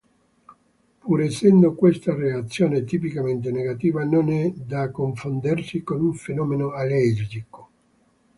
Pur essendo questa reazione tipicamente negativa, non è da confondersi con un fenomeno allergico.